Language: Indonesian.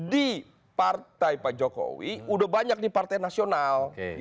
di partai pak jokowi udah banyak di partai nasional